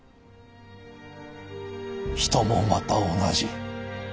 人もまた同じ。